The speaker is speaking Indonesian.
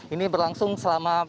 ini berlangsung selama